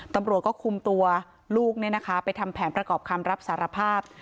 ตำรวจก็คุมตัวลูกไปทำแผนประกอบคำรับสารภาพ